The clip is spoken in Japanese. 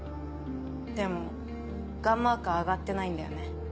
でもがんマーカー上がってないんだよ